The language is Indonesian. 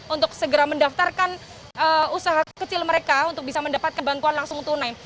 untuk segera mendaftarkan usaha kecil mereka untuk bisa mendapatkan bantuan langsung tunai